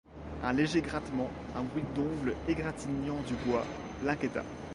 Un léger grattement, un bruit d'ongles égratignant du bois, l'inquiéta.